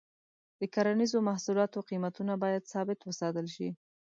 د کرنیزو محصولاتو قیمتونه باید ثابت وساتل شي.